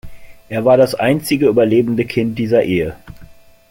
Er war das einzige überlebende Kind dieser Ehe.